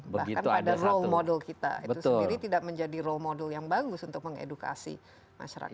bahkan pada role model kita itu sendiri tidak menjadi role model yang bagus untuk mengedukasi masyarakat